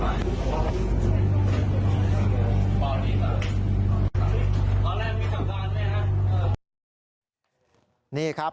คือเพจดังเขาเอามาลงเอาไว้นะครับ